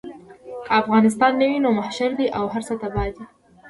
که افغانستان نه وي نو محشر دی او هر څه تباه دي.